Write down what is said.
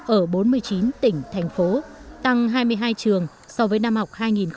ở bốn mươi chín tỉnh thành phố tăng hai mươi hai trường so với năm học hai nghìn một mươi một hai nghìn một mươi hai